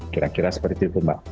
kira kira seperti itu mbak